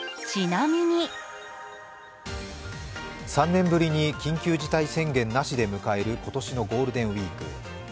３年ぶりに緊急事態宣言なしで迎える今年のゴールデンウイーク。